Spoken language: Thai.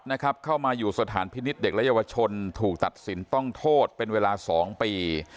เข้ามาอยู่สถานพินิษฐ์เด็กและเยาวชนถูกตัดสินต้องโทษเป็นเวลา๒ปี